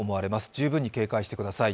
十分に警戒してください。